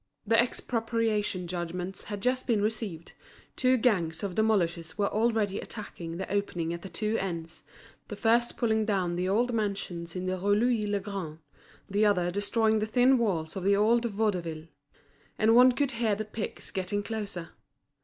The expropriation judgments had just been delivered, two gangs of demolishers were already attacking the opening at the two ends, the first pulling down the old mansions in the Rue Louis le Grand, the other destroying the thin walls of the old Vaudeville; and one could hear the picks getting closer.